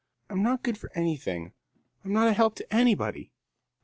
I'm not good for anything. I'm not a help to anybody."